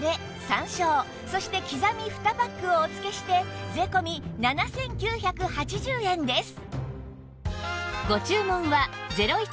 山椒そしてきざみ２パックをお付けして税込７９８０円です